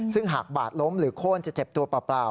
ซึ่งหากบาดล้มหรือโค้นจะเจ็บตัวเปล่า